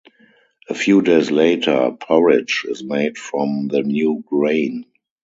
A few days later, porridge is made from the new grain.